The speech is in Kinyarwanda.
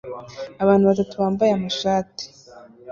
Abantu batatu bambaye amashat